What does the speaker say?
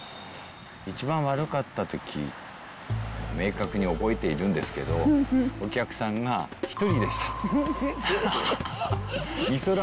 一番悪かったとき、明確に覚えているんですけど、お客さんが１人でした。